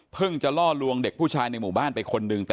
จะล่อลวงเด็กผู้ชายในหมู่บ้านไปคนหนึ่ง